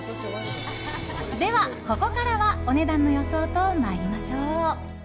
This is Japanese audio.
では、ここからはお値段の予想と参りましょう。